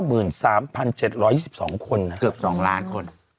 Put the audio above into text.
เกือบ๒ล้านคน